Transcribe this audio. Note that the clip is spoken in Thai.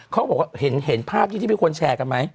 เขาบอกว่าเห็นภาพนี้ที่มีคนแชร์กันไหม